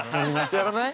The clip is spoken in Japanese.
やらない？